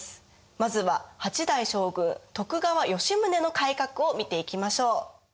まずは８代将軍・徳川吉宗の改革を見ていきましょう。